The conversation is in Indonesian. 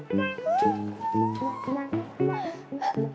barang banget semua ya